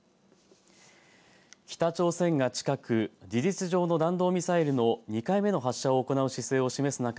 北朝鮮が近く事実上の弾道ミサイルの２回目の発射を行う姿勢を示す中